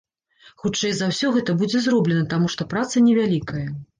Хутчэй за ўсё, гэта будзе зроблена, таму што праца невялікая.